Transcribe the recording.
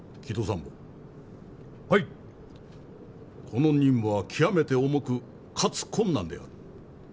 この任務は極めて重くかつ困難である。